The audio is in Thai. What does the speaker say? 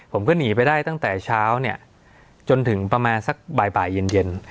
ผมก็หนีไปได้ตั้งแต่เช้าเนี่ยจนถึงประมาณสักบ่ายเย็น